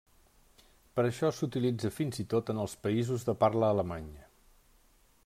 Per això s'utilitza fins i tot en els països de parla alemanya.